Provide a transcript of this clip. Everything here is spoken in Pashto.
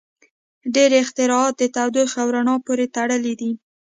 • ډیری اختراعات د تودوخې او رڼا پورې تړلي دي.